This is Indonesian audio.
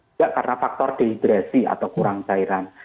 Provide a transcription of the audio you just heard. tidak karena faktor dehidrasi atau kurang cairan